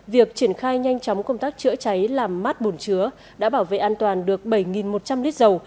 việc triển khai nhanh chóng công tác chữa cháy làm mát bùn chứa đã bảo vệ an toàn được bảy một trăm linh lít dầu